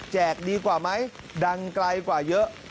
ดีกว่าไหมดังไกลกว่าเยอะ